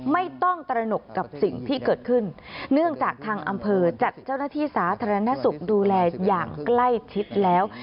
ไม่ต้องตระหนกกับสิ่งที่เกิดขึ้นเนื่องจากทางอำเภอจัดเจ้าหน้าที่สาธารณสุขดูแลอย่างใกล้ชิดแล้ว